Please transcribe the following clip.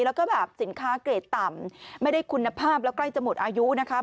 แล้วก็แบบสินค้าเกรดต่ำไม่ได้คุณภาพแล้วใกล้จะหมดอายุนะคะ